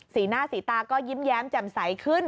สีหน้าสีตาก็ยิ้มแย้มแจ่มใสขึ้น